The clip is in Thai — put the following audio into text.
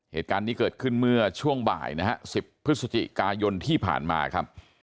เหตุการณ์นี้เกิดขึ้นเมื่อช่วงบ่ายนะฮะ๑๐พฤศจิกายนที่ผ่านมาครับ